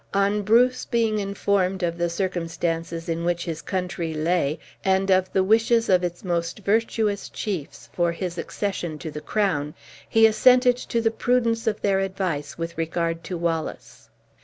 On Bruce being informed of the circumstances in which his country lay, and of the wishes of its most virtuous chiefs for his accession to the crown, he assented to the prudence of their advice with regard to Wallace.